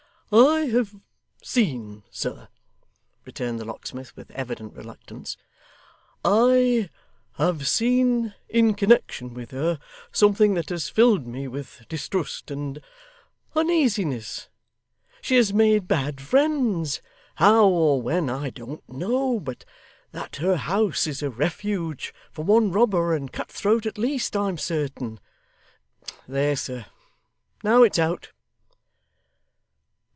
'I have seen, sir,' returned the locksmith with evident reluctance, 'I have seen in connection with her, something that has filled me with distrust and uneasiness. She has made bad friends, how, or when, I don't know; but that her house is a refuge for one robber and cut throat at least, I am certain. There, sir! Now it's out.